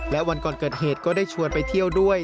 และวันก่อนเกิดเหตุก็ได้ชวนไปเที่ยวด้วย